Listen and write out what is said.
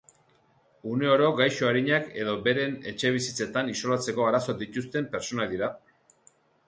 Uneoro gaixo arinak edo beren etxebizitzetan isolatzeko arazoak dituzten pertsonak dira.